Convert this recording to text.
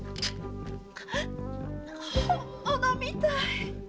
本物みたい！